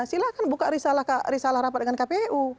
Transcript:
silahkan buka risalah rapat dengan kpu